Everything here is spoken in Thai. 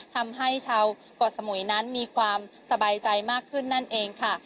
ทำให้ชาวเกาะสมุยนั้นมีความสบายใจมากขึ้นนั่นเองค่ะ